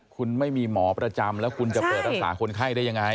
คุณไม่มีหมอประจำแล้วคุณจะเปิดรักษาคนไข้ได้ยังไง